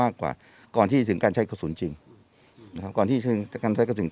ก่อนที่ถึงการใช้กระสุนจริง